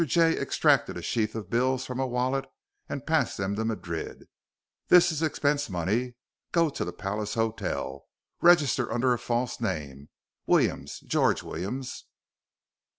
Jay extracted a sheaf of bills from a wallet and passed them to Madrid. "This is expense money. Go to the Palace Hotel. Register under a false name Williams, George Williams.